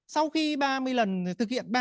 sau khi ba mươi lần thực hiện